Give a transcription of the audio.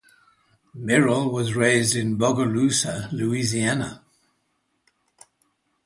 Merrill was raised in Bogalusa, Louisiana.